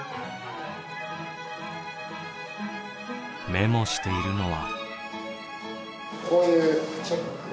メモしているのは。